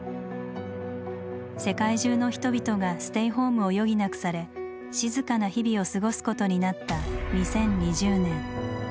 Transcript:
世界中の人々がステイホームを余儀なくされ静かな日々を過ごすことになった２０２０年。